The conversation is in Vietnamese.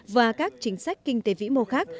và các chính sách kinh tế vĩ mô khác